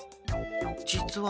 実は。